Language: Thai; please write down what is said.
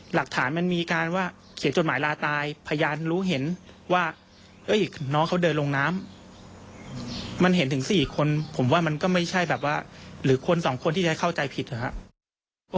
หลักฐานมันมีการว่าเขียนจดหมายลาตายพยานรู้เห็นว่าน้องเขาเดินลงน้ำมันเห็นถึง๔คนผมว่ามันก็ไม่ใช่แบบว่าหรือคนสองคนที่จะเข้าใจผิดนะครับ